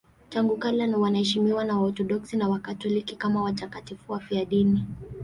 Tangu kale wanaheshimiwa na Waorthodoksi na Wakatoliki kama watakatifu wafiadini.